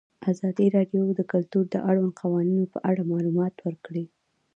ازادي راډیو د کلتور د اړونده قوانینو په اړه معلومات ورکړي.